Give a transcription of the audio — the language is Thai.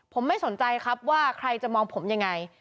ผมไม่สนใจครับว่าใครจะมองผมยังไง